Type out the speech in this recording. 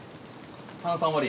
炭酸割り。